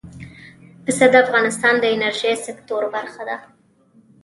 پسه د افغانستان د انرژۍ سکتور برخه ده.